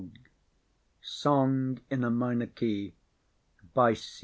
_ song in a minor key _by